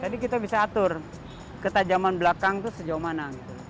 jadi kita bisa atur ketajaman belakang itu sejauh mana